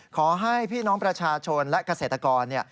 ขอให้พี่น้องประชาชนและเกษตรกร